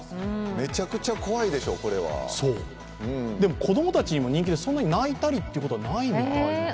めちゃくちゃ怖いでしょ、これは子どもたちにも人気でそんなに泣いたりとかはないそうです。